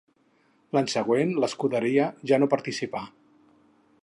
L'any següent l'escuderia ja no participà.